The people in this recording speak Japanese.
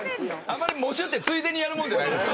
あまり、喪主ってついでにやるもんじゃないです。